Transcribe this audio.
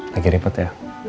lagi repot ya